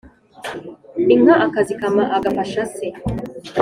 inka, akazikama, agafasha se